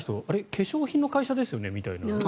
化粧品の会社ですよねみたいな。